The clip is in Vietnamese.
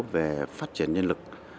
về phát triển nhân lực